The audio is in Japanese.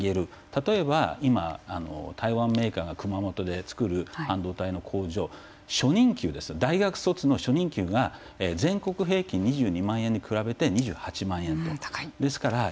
例えば、今、台湾メーカーが熊本で作る半導体の工場大学卒の初任給が全国平均２２万円に比べて２８万円。